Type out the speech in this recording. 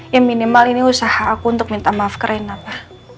ya minimal ini usaha aku untuk minta maaf ke rina pa